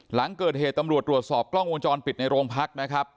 หลังเกิดเหตุตำรวจตรวจสอบกล้องวงจรปิดในโรงพักนะครับ